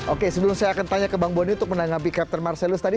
oke sebelum saya akan tanya ke bang boni untuk menanggapi captain marcelus tadi